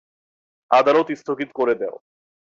আদালত স্থগিত করে দেও।